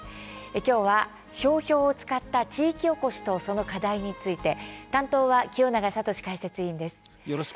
今日は商標を使った地域おこしとその課題について担当は清永聡解説委員です。